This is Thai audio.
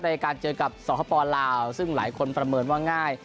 ในการเจอกับสคปลาวซึ่งหลายคนประเมินว่าง่าย